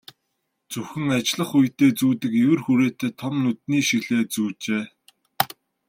Зөвхөн ажиллах үедээ зүүдэг эвэр хүрээтэй том нүдний шилээ зүүжээ.